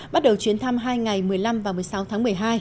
bắt đầu chuyến thăm hai ngày một mươi năm và một mươi sáu tháng một mươi hai